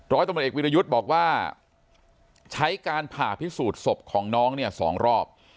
ร้อยตำรวจเอกวิรยุทธ์บอกว่าใช้การผ่าพิสูจน์ศพของน้องเนี่ย๒รอบ